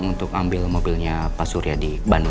gak aman kenapa sih mas